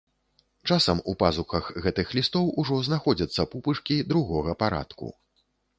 Часам у пазухах гэтых лістоў ужо знаходзяцца пупышкі другога парадку.